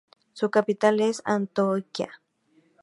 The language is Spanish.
Su capital es Antioquía.